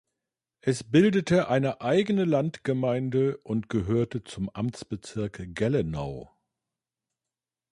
Es bildete eine eigene Landgemeinde und gehörte zum Amtsbezirk Gellenau.